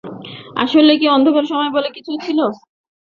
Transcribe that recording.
আসলেই কি অন্ধকার সময় বলে কিছু ছিল?